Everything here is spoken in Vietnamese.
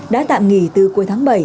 đã tạm nghỉ từ cuối tháng bảy